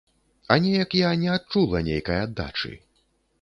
А неяк я не адчула нейкай аддачы.